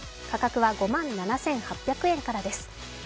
価格は５万７８００円からです。